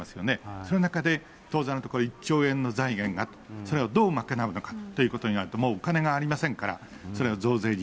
その中で、当座のところ１兆円の財源がいる、それをどう賄うのかということになると、もうお金がありませんから、それが増税に。